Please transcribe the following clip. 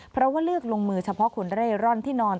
เพราะว่าเลือกลงมือเฉพาะคนเร่ร่อนที่นอน